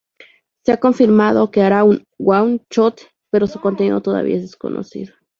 Se ha confirmado que hará un one-shot pero su contenido todavía es desconocido